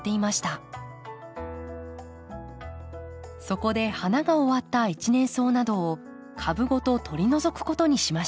そこで花が終わった一年草などを株ごと取り除くことにしました。